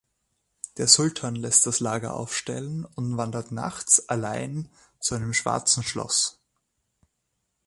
Der Sultan lässt das Lager aufstellen und wandert nachts allein zu einem schwarzen Schloss.